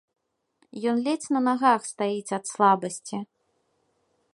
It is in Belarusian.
Ён ледзь на нагах стаіць ад слабасці.